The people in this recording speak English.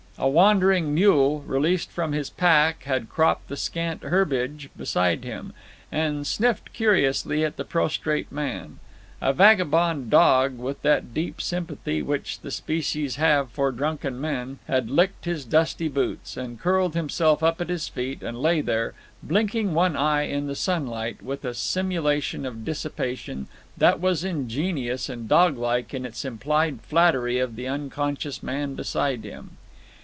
A wandering mule, released from his pack, had cropped the scant herbage beside him, and sniffed curiously at the prostrate man; a vagabond dog, with that deep sympathy which the species have for drunken men, had licked his dusty boots, and curled himself up at his feet, and lay there, blinking one eye in the sunlight, with a simulation of dissipation that was ingenious and doglike in its implied flattery of the unconscious man beside him.